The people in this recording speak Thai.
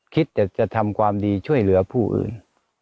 คิดจะทำความดีช่วยเหลือผู้อื่น